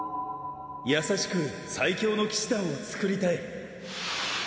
優しく最強の騎士団をつくりたい